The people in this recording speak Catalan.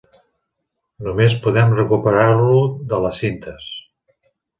Només podem recuperar-lo de les cintes.